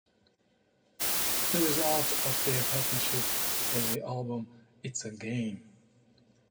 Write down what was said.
The result of their partnership was the album "It's A Game".